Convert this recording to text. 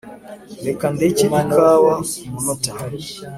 reka ndeke ikawa kumunota.